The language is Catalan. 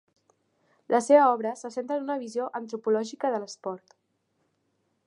La seva obra se centra en una visió antropològica de l'esport.